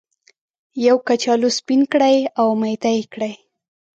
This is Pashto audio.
یو کچالو سپین کړئ او میده یې کړئ.